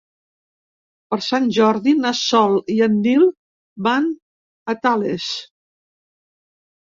Per Sant Jordi na Sol i en Nil van a Tales.